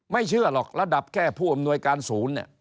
ไม่เชื่อหรอกระดับแค่ผู้อำนวยการสูญ